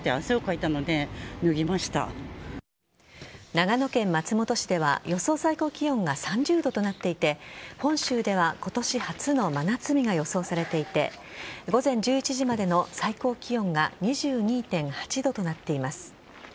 長野県松本市では予想最高気温が３０度となっていて本州では今年初の真夏日が予想されていて午前１１時までの最高気温が２２．８度となっています。